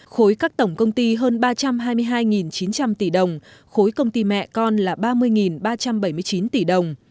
khối các tổng công ty hơn ba trăm hai mươi hai chín trăm linh tỷ đồng khối công ty mẹ con là ba mươi ba trăm bảy mươi chín tỷ đồng